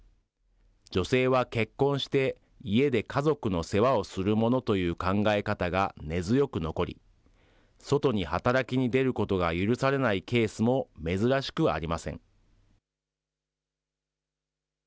女性は結婚して、家で家族の世話をするものという考え方が根強く残り、外に働きに出ることが許されないケースも珍しくありません。